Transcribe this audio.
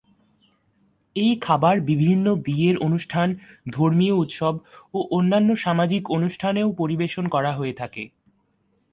এই খাবার বিভিন্ন বিয়ের অনুষ্ঠান, ধর্মীয় উৎসব ও অন্যান্য সামাজিক অনুষ্ঠানেও পরিবেশন করা হয়ে থাকে।